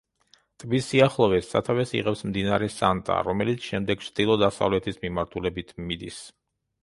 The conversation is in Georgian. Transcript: ტბის სიახლოვეს, სათავეს იღებს მდინარე სანტა, რომელიც შემდეგ ჩრდილო-დასავლეთის მიმართულებით მიდის.